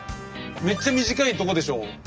めっちゃ短いとこでしょう。